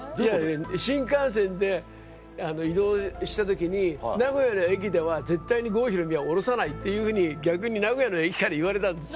新幹線で移動した時に名古屋の駅では絶対に郷ひろみは降ろさないっていうふうに逆に名古屋の駅から言われたんです